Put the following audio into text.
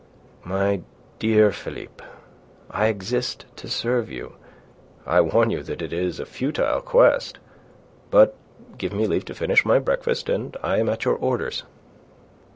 "My dear Philippe, I exist to serve you. I warn you that it is a futile quest; but give me leave to finish my breakfast, and I am at your orders."